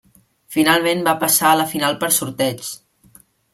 Finalment va passar a la final per sorteig.